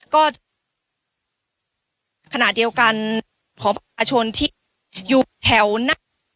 ก็ขณะเดียวกันของประชนที่อยู่แถวหน้า